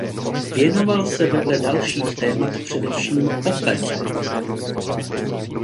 Věnoval se vedle dalších témat především opeře.